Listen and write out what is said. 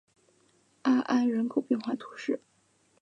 阿安人口变化图示